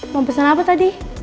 mau pesen apa tadi